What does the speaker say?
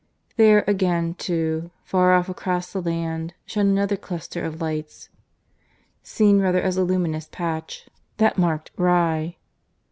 There again too, far off across the land, shone another cluster of lights, seen rather as a luminous patch, that marked Rye.